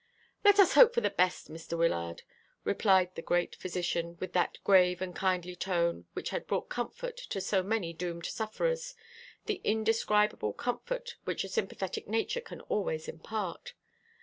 "Let us hope for the best, Mr. Wyllard," replied the great physician, with that grave and kindly tone which had brought comfort to so many doomed sufferers, the indescribable comfort which a sympathetic nature can always impart.